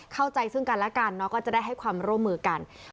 เข้าใจซึ่งกันแล้วกันเนาะก็จะได้ให้ความร่วมมือกัน